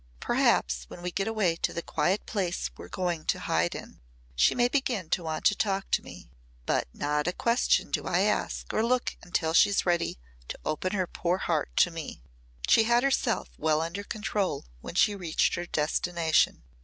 Perhaps when we get away to the quiet place we're going to hide in, she may begin to want to talk to me. But not a question do I ask or look until she's ready to open her poor heart to me." She had herself well under control when she reached her destination.